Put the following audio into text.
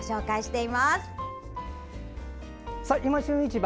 「いま旬市場」